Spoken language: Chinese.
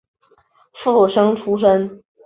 附生出身。